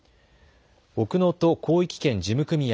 奥能登広域圏事務組合